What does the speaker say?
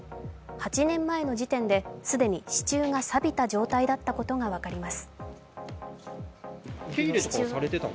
８年前の時点で既に支柱がさびた状態だったことが分かります。